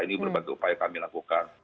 ini berbagai upaya kami lakukan